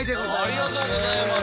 ありがとうございます。